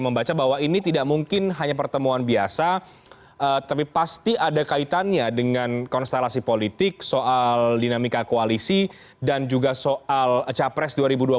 membaca bahwa ini tidak mungkin hanya pertemuan biasa tapi pasti ada kaitannya dengan konstelasi politik soal dinamika koalisi dan juga soal capres dua ribu dua puluh